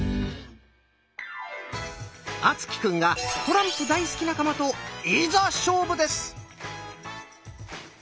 敦貴くんがトランプ大好き仲間といざ勝負です！